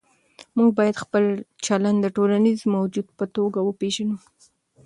موږ باید خپل چلند د ټولنیز موجود په توګه وپېژنو.